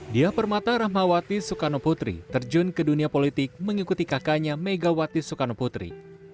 dia permata rahmawati soekarno putri terjun ke dunia politik mengikuti kakaknya megawati soekarno putri